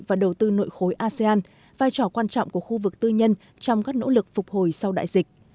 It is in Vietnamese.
và đầu tư nội khối asean vai trò quan trọng của khu vực tư nhân trong các nỗ lực phục hồi sau đại dịch